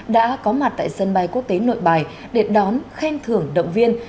đã có mặt tại sân bay quốc tế nội bài để đón khen thưởng động viên